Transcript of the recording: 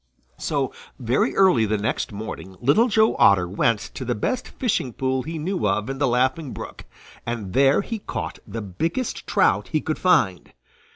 So very early the next morning Little Joe Otter went to the best fishing pool he knew of in the Laughing Brook, and there he caught the biggest trout he could find.